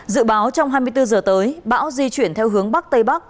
dự báo trong hai mươi bốn giờ tới bão di chuyển theo hướng bắc tây bắc